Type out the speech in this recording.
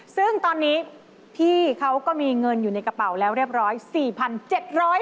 ซึ่งตอนนี้พี่เขาก็มีเงินอยู่ในกระเป๋าแล้วเรียบร้อย๔๗๐๐บาท